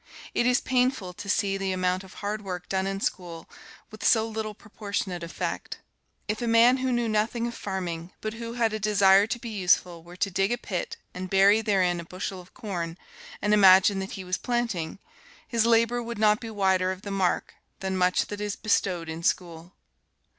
It is painful to see the amount of hard work done in school with so little proportionate effect. If a man who knew nothing of farming, but who had a desire to be useful, were to dig a pit and bury therein a bushel of corn, and imagine that he was planting, his labor would not be wider of the mark than much that is bestowed in school.